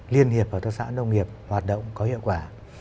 liên hiệp hợp tác xã nông nghiệp hoạt động có hiệu quả